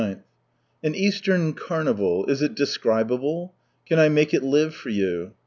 — An Eastern carnival — is it describable? Can I make it live for you